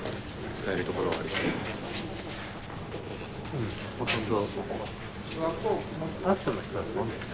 うんほとんど。